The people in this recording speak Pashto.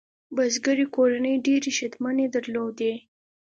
بزګري کورنۍ ډېرې شتمنۍ درلودې.